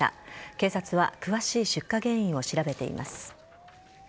警察は詳しい出火原因を調べています。